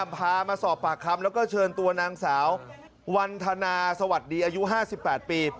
พามาสอบปากคำแล้วก็เชิญตัวนางสาววันธนาสวัสดีอายุ๕๘ปี